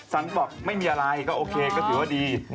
สันบอกไม่มีอะไรก็โอเคก็ถือว่าดี